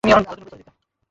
ভুল জায়গায় এসে পড়েছো।